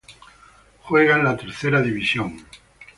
Juega en la Tercera División.